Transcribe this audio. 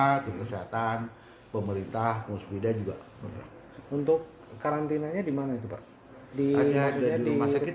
masjid kesehatan pemerintah muslim dan juga untuk karantinanya dimana juga di rumah sakit